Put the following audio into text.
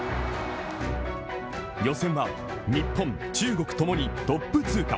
予選は日本、中国ともにトップ通過。